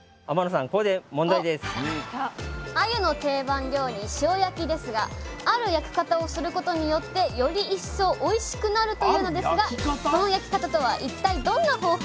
あゆの定番料理塩焼きですがある焼き方をすることによってより一層おいしくなるというのですがその焼き方とは一体どんな方法でしょうか？